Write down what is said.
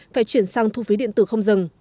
phải chuyển sang thu phí điện tử không dừng